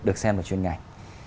được xem vào chuyên ngành